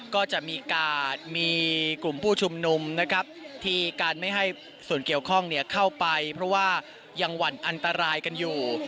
ก็จะมีการมีกลุ่มผู้ชุมนุมนะครับที่การไม่ให้ส่วนเกี่ยวข้องเข้าไปเพราะว่ายังหวั่นอันตรายกันอยู่